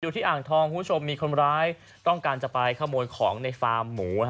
ที่อ่างทองคุณผู้ชมมีคนร้ายต้องการจะไปขโมยของในฟาร์มหมู